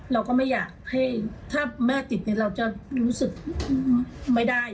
เราก็ไม่อยากให้ถ้าแม่ติดเราจะรู้สึกไม่ได้